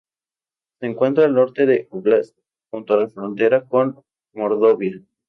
Se encuentra al norte del óblast, junto a la frontera con Mordovia.